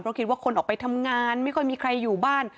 เพราะคิดว่าคนออกไปทำงานไม่ค่อยมีใครอยู่บ้าน